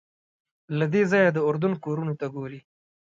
له دې ځایه د اردن کورونو ته ګورې.